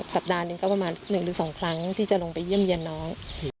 สัปดาห์หนึ่งก็ประมาณ๑๒ครั้งที่จะลงไปเยี่ยมเยี่ยมน้อง